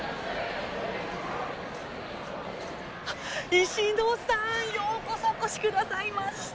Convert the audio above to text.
石野さんようこそお越し下さいました。